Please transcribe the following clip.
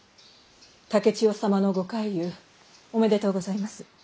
竹千代様のご快癒おめでとうございます。